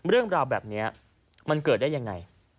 เรื่องราวแบบนี้มันเกิดได้ยังไง